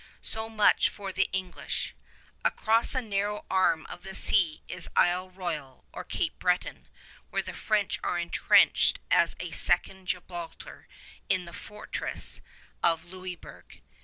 So much for the English. Across a narrow arm of the sea is Isle Royal or Cape Breton, where the French are intrenched as at a second Gibraltar in the fortress of Louisburg.